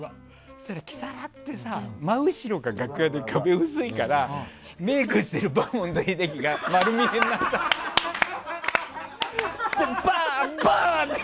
そうしたらキサラって真後ろが楽屋で壁が薄いからメイクしてるバーモント秀樹が丸見えになって。